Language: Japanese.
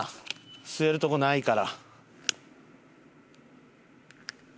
吸えるとこないから。